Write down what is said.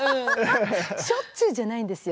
しょっちゅうじゃないんですよ。